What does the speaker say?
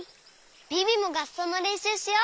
ビビもがっそうのれんしゅうしよう！